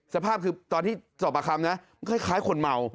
สภาพคือตอนที่สอบประคำนะคล้ายคนเมา